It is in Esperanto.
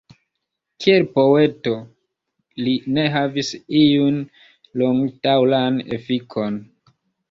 Kiel poeto li ne havis iun longdaŭran efikon.